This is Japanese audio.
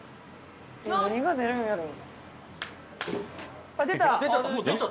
「何が出るんやろ？」